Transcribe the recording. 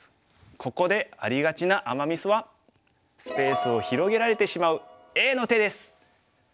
ここでありがちなアマ・ミスはスペースを広げられてしまうＡの手です。